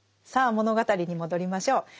さあ物語に戻りましょう。